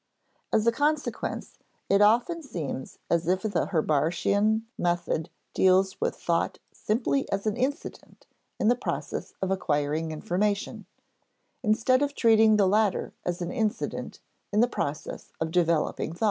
As a consequence, it often seems as if the Herbartian method deals with thought simply as an incident in the process of acquiring information, instead of treating the latter as an incident in the process of developing thought.